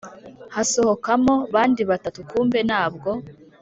hasohokamo bandi batatu kumbe nabwo